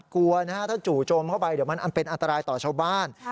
กลัวนะฮะถ้าจู่โจมเข้าไปเดี๋ยวมันอันเป็นอันตรายต่อชาวบ้าน